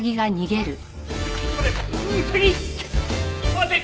待て！